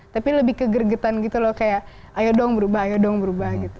tapi lebih ke gregetan gitu loh kayak ayo dong berubah ayo dong berubah gitu